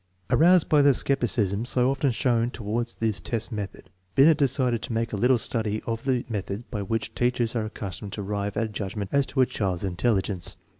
1 Aroused by the skepticism so often shown toward his test method, Binet decided to make a little study of the methods by which teachers are accustomed to arrive at a judgment as to a child's intelligence.